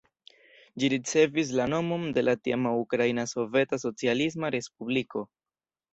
Ĝi ricevis la nomon de la tiama Ukraina Soveta Socialisma Respubliko.